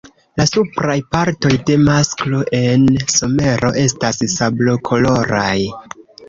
La supraj partoj de masklo en somero estas sablokoloraj.